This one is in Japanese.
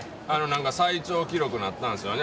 最長記録になったんですよね